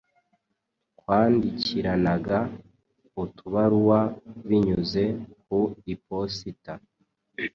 twandikiranaga utubaruwa binyuze ku iposita!